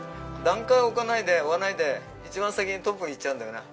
段階を置かないで一番先にトップにいっちゃうんだよな。